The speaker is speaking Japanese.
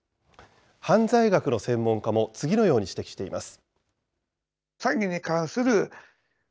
犯罪学の専門家も、次のように指摘しています。